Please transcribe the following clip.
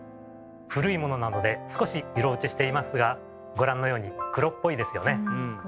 古いものなので少し色落ちしていますがご覧のように黒っぽいですよね。